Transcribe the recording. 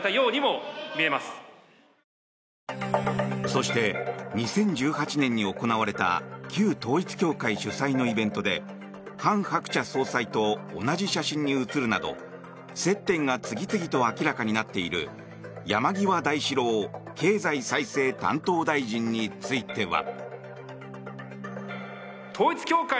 そして２０１８年に行われた旧統一教会主催のイベントでハン・ハクチャ総裁と同じ写真に写るなど接点が次々と明らかになっている山際大志郎経済再生担当大臣については。